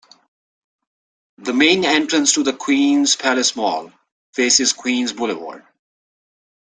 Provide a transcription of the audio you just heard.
The main entrance to the Queens Place Mall faces Queens Boulevard.